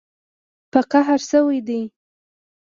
په قهر شوي دي